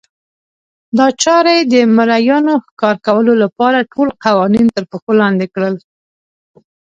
دا چارې د مریانو ښکار کولو لپاره ټول قوانین ترپښو لاندې کړل.